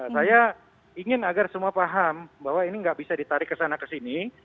saya ingin agar semua paham bahwa ini tidak bisa ditarik kesana kesini